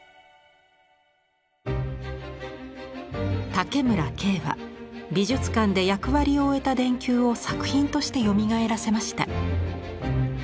竹村京は美術館で役割を終えた電球を作品としてよみがえらせました。